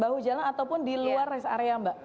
bahu jalan ataupun di luar rest area mbak